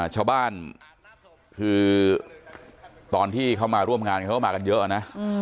ชาวบ้านคือตอนที่เขามาร่วมงานเขาก็มากันเยอะนะ